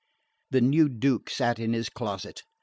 The new Duke sat in his closet.